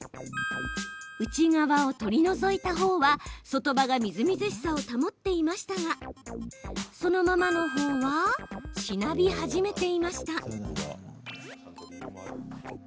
内側を取り除いたほうは外葉がみずみずしさを保っていましたがそのままのほうはしなび始めていました。